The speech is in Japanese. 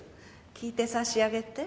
聞いてさしあげて。